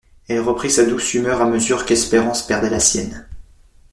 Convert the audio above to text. Elle reprit sa douce humeur à mesure qu'Espérance perdait la sienne.